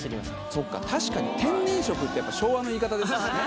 そっか確かに天然色ってやっぱ昭和の言い方ですよね。